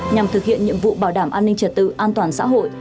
nhằm thực hiện nhiệm vụ bảo đảm an ninh trật tự an toàn xã hội